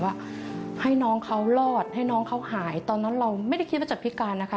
ว่าให้น้องเขารอดให้น้องเขาหายตอนนั้นเราไม่ได้คิดว่าจะพิการนะคะ